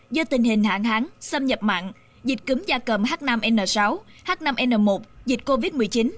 do tình hình hạn hán xâm nhập mạng dịch cấm gia cầm h năm n sáu h năm n một dịch covid một mươi chín